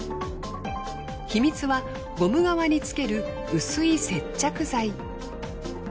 秘密はゴム側につける薄い接着剤。